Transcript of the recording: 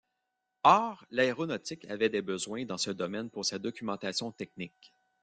Or l’aéronautique avait des besoins dans ce domaine pour sa documentation technique.